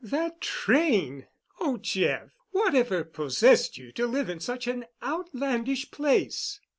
That train! Oh, Jeff, whatever possessed you to live in such an outlandish place?"